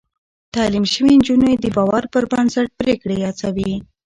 تعليم شوې نجونې د باور پر بنسټ پرېکړې هڅوي.